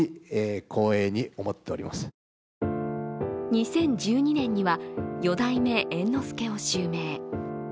２０１２年には四代目猿之助を襲名。